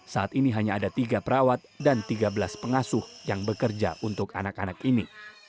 saat ini hanya ada tiga perawat dan tiga belas pengasuh yang bekerja untuk anak anak ini